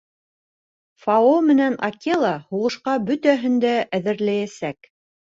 Фао менән Акела һуғышҡа бөтәһен дә әҙерләйәсәк.